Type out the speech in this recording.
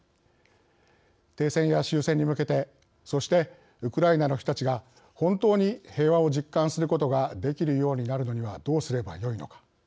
停戦や終戦に向けてそして、ウクライナの人たちが本当に平和を実感することができるようになるのにはどうすればよいのか。